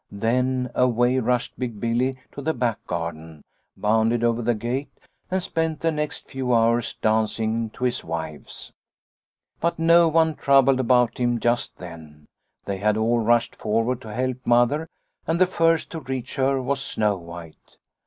Then away rushed Big Billy to the back garden, bounded over the gate and spent the next few hours dancing to his wives. " But no one troubled about him just then. They had all rushed forward to help Mother, and the first to reach her was Snow White.